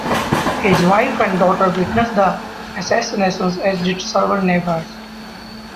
His wife and daughter witnessed the assassination as did several neighbors.